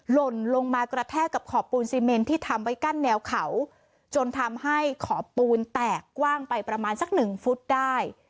หล่นลงมากระแทกกับขอบปูนซีเมนที่ทำไว้กั้นแนวเขาจนทำให้ขอบปูนแตกกว้างไปประมาณสักหนึ่งฟุตได้